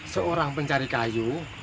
seorang pencari kayu